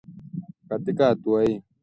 Katika hatua hii